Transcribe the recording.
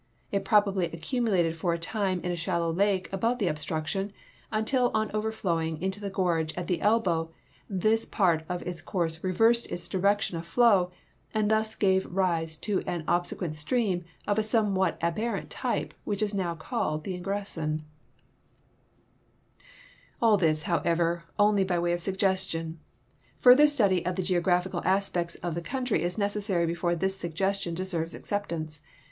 It probably accumulated for a time in a shallow lake above the obstruction, until on overflowing into the gorge at the elbow this j)art of its course reversed its direction of flow, and thus gave rise to an obsequent stream of a somewhat aberrant type which is now called the Ingressin. All this, however, only by way of suggestion. Further study of the geographical aspects of the country is necessary before this sugge.stion deserves acceptance.